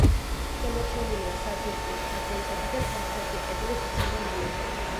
შემორჩენილია საძირკვლის ფრაგმენტები და სამხრეთი კედლის მცირე მონაკვეთი.